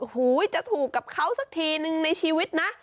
หูยจะถูกกับเขาสักทีนึงในชีวิตนะ